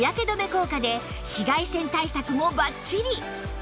効果で紫外線対策もバッチリ